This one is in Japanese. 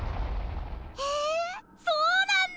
へえそうなんだ。